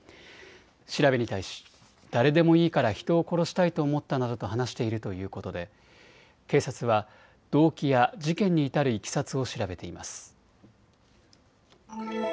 調べに対し誰でもいいから人を殺したいと思ったなどと話しているということで警察は動機や事件に至るいきさつを調べています。